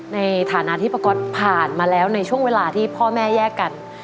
ในฐานะที่ป้าก๊อตผ่านมาแล้วในช่วงเวลาที่พ่อแม่แยกกัน